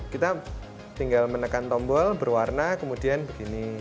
kita tinggal menekan tombol berwarna kemudian begini